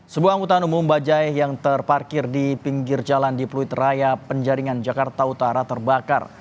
sebuah angkutan umum bajai yang terparkir di pinggir jalan di pluit raya penjaringan jakarta utara terbakar